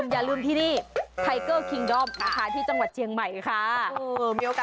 อย่าลืมที่นี่ไทเกอร์คิงดอมนะคะที่จังหวัดเชียงใหม่ค่ะ